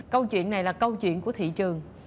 câu chuyện này là câu chuyện của thị trường